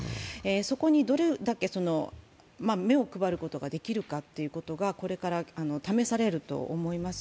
そこにどれだけ目を配ることができるかがこれから試されると思います。